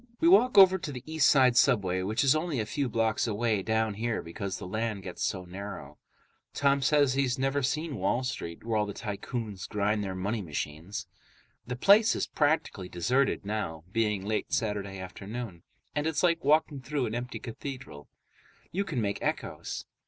We walk over to the East Side subway, which is only a few blocks away down here because the island gets so narrow. Tom says he's never seen Wall Street, where all the tycoons grind their money machines. The place is practically deserted now, being late Saturday afternoon, and it's like walking through an empty cathedral. You can make echoes.